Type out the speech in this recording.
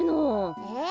えっ？